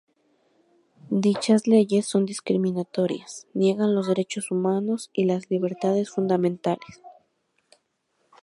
Dichas leyes son discriminatorias; niegan los derechos humanos y las libertades fundamentales.